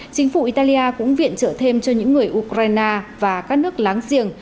chính phủ italia cũng viện trợ thêm cho những người ukraine và các nước láng giềng